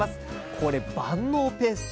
これ万能ペースト。